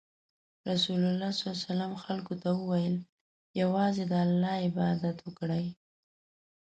رسول الله خلکو ته وویل: یوازې د الله عبادت وکړئ.